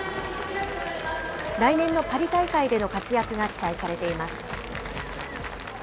来年のパリ大会での活躍が期待されています。